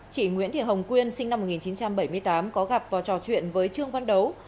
chị nguyễn thị hồng quyên sinh năm một nghìn chín trăm bảy mươi tám có gặp và trò chuyện với trương văn đấu